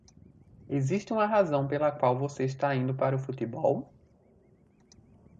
Existe uma razão pela qual você está indo para o futebol?